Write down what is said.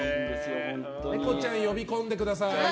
ネコちゃん呼び込んでください！